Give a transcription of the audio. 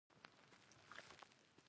په اغیزمنو خبرو اترو بدله کړئ نو